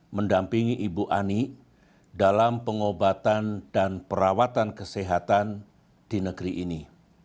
mendampingi ibu ani dalam pengobatan dan perawatan kesehatan di negeri ini